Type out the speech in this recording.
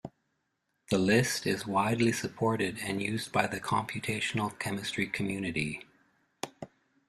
The list is widely supported and used by the computational chemistry community.